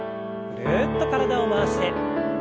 ぐるっと体を回して。